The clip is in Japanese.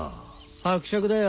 伯爵だよ。